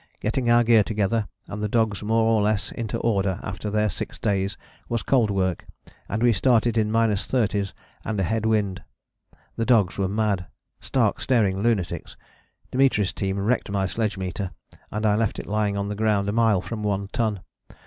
Getting our gear together, and the dogs more or less into order after their six days was cold work, and we started in minus thirties and a head wind. The dogs were mad, stark, staring lunatics. Dimitri's team wrecked my sledge meter, and I left it lying on the ground a mile from One Ton.